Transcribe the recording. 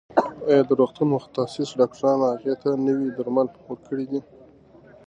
ایا د روغتون متخصص ډاکټرانو هغې ته نوي درمل ورکړي دي؟